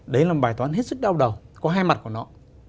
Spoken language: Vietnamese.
đấy là một bài toán hết sức đau đầu có hai mặt của nó